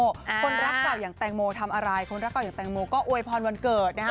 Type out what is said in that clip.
คนรักเก่าอย่างแตงโมทำอะไรคนรักเก่าอย่างแตงโมก็อวยพรวันเกิดนะฮะ